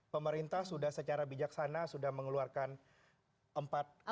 pemerintah sudah secara bijaksana sudah mengeluarkan empat aspek